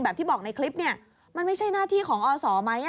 แบบที่บอกในคลิปมันไม่ใช่หน้าที่ของอสมั้ย